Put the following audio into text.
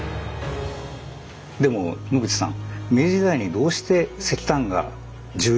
でも野口さんん。